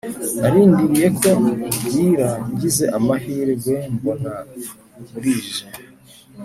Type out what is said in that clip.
narindiriye ko bwira ngize amahirwe mbona burije